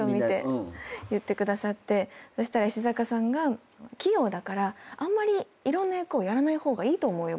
そしたら石坂さんが「器用だからいろんな役をやらない方がいいと思うよ